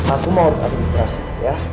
aku mau urutkan di teras ya